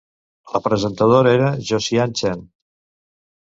La presentadora era Josiane Chen.